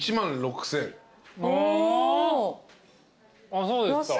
あっそうですか。